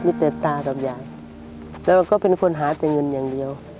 มีแต่ตาต่อไปอย่างแล้วก็เป็นคนหาแต่เงินอย่างเดียว